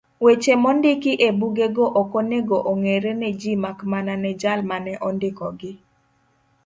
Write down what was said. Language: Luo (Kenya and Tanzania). Weche mondiki ebugego okonego ong'ere neji makmana ne jal mane ondikogi.